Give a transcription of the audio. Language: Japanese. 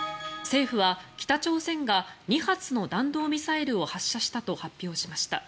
政府は北朝鮮が２発の弾道ミサイルを発射したと発表しました。